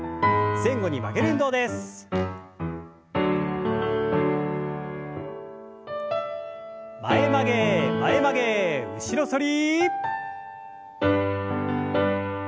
前曲げ前曲げ後ろ反り。